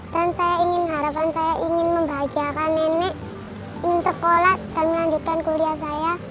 dan harapan saya ingin membahagiakan nenek ingin sekolah dan melanjutkan kuliah saya